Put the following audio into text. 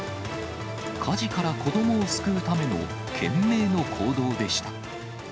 火事から子どもを救うための、懸命の行動でした。